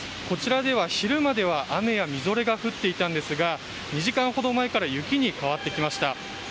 こちらでは昼までは雨やみぞれが降っていたんですが２時間ほど前から雪に変わってきました。